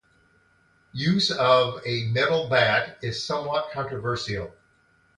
Use of a metal bat is somewhat controversial.